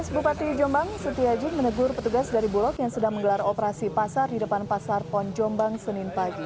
bupati jombang setiaji menegur petugas dari bulog yang sedang menggelar operasi pasar di depan pasar pon jombang senin pagi